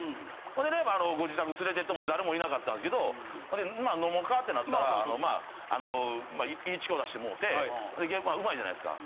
ほんでねご自宅に連れてってもうて誰もいなかったんですけど飲もかってなったらいいちこ出してもうてうまいじゃないですか。